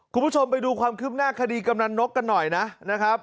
คุณผู้ชมไปดูความคืบหน้าคดีกำนันนกกันหน่อยนะครับ